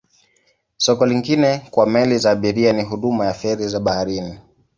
Soko lingine kwa meli za abiria ni huduma ya feri za baharini.